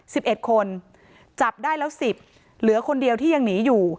สิบเอ็ดคนจับได้แล้วสิบเหลือคนเดียวที่ยังหนีอยู่